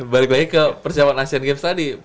balik lagi ke persiapan asian games tadi